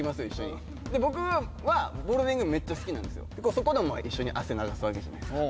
そこでも一緒に汗を流すわけじゃないですか。